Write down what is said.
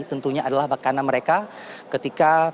tentunya adalah karena mereka ketika